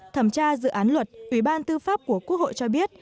thẩm tra dự án luật ủy ban tư pháp của quốc hội cho biết